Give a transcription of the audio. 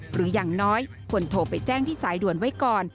หรืออย่างน้อยควรโทรไปแจ้งที่สายด่วนไว้ก่อน